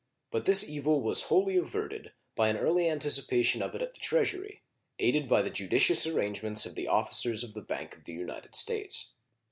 But this evil was wholly averted by an early anticipation of it at the Treasury, aided by the judicious arrangements of the officers of the Bank of the United States.